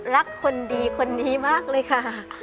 รักคนดีคนนี้มากเลยค่ะ